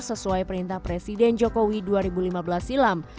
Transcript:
sesuai perintah presiden jokowi dua ribu lima belas silam